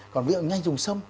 còn ví dụ ngay dùng sâm